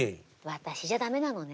私じゃ駄目なのね。